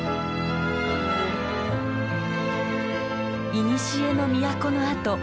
いにしえの都の跡